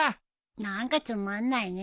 何かつまんないね。